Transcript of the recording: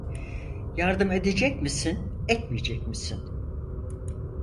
Yardım edecek misin, etmeyecek misin?